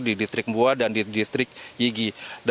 di distrik bua dan di distrik yigi